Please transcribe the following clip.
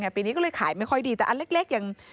ปีนี้ก็เลยขายไม่ค่อยดีแต่อันเล็กอย่าง